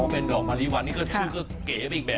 อ๋อเป็นหลอกมะลิวันนี่ชื่อก็เก๋แบบนี้นะ